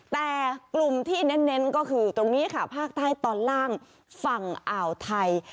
แต่กลุ่มที่เน้นก็คือตรงนี้ค่ะภาคใต้ตอนล่างฝั่งอ่าวไทย